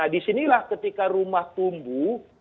di sinilah ketika rumah tumbuh